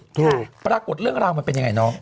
ปรากฏเรื่องราวมันเป็นยังไงน้อง